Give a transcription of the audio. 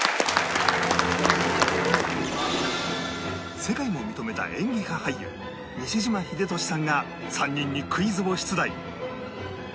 世界も認めた演技派俳優西島秀俊さんが３人にクイズを出題